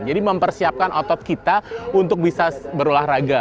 jadi mempersiapkan otot kita untuk bisa berolahraga